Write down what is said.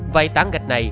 vậy tảng gạch này